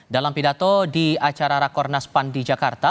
dalam pidato di acara rakornas pan di jakarta